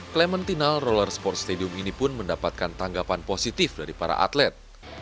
clementinal roller sports stadium ini pun mendapatkan tanggapan positif dari para atlet